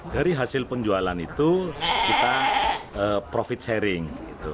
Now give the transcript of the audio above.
dari hasil penjualan itu kita profit sharing